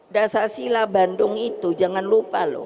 dasar sila bandung itu